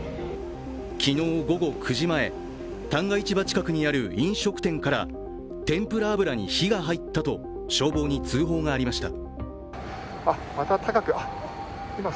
昨日午後９時前旦過市場近くにある飲食店から天ぷら油に火が入ったと消防に通報がありました。